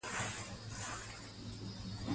وایی بدرنګه اوسه، خو دوه رنګه نه!